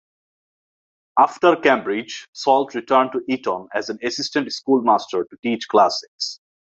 After Cambridge, Salt returned to Eton as an assistant schoolmaster to teach classics.